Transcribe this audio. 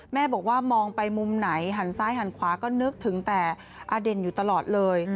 แม่บอกว่ามองไปมุมไหนหันซ้ายหันขวาก็นึกถึงแต่อเด่นอยู่ตลอดเลย